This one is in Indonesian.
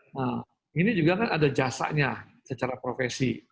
nah ini juga kan ada jasanya secara profesi